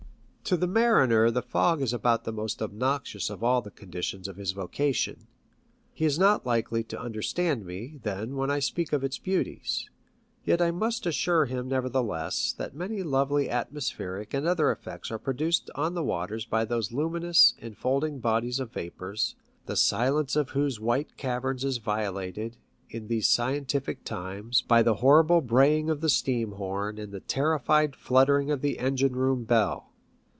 To the mariner the fog is about the most obnoxious of all the conditions of his vocation. He is not likely io understand me, then> when I speak of its beauties; yet I must assure him, nevertheless, that many lovely atmo spheric and other effects are produced on the waters by those luminous, enfolding bodies of vapour, the silence of whose white caverns is violated, in these scientific times, by the horrible braying of the steam horn and the terrified fluttering of the engine room bell.